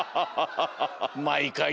まいかい